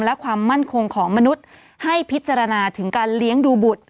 และความมั่นคงของมนุษย์ให้พิจารณาถึงการเลี้ยงดูบุตร